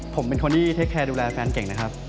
ผมเป็นคนที่เทคแคร์ดูแลแฟนเก่งนะครับ